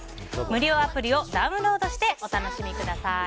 無料アプリをダウンロードしてお楽しみください。